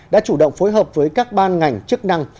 đã chủ động phối hợp với các ban ngành chức năng